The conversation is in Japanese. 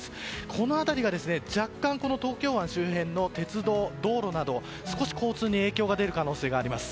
この辺りが若干、東京湾周辺の鉄道や道路など少し交通に影響が出る可能性があります。